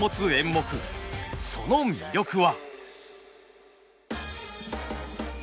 その魅力は！